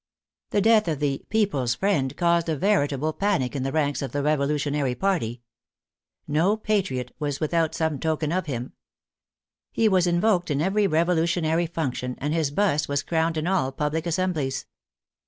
The death of the " people's friend " caused a veritable panic in the ranks of the revolutionary party. No " patriot " was without some token of him. He was in voked in every revolutionary function, and his bust was crowned in all public assemblies.